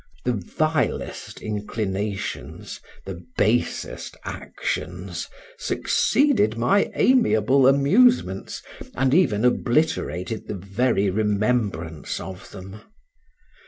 The vilest inclinations, the basest actions, succeeded my amiable amusements and even obliterated the very remembrance of them.